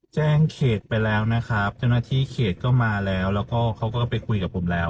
แจ้งเขตไปแล้วนะครับเจ้าหน้าที่เขตก็มาแล้วแล้วก็เขาก็ไปคุยกับผมแล้ว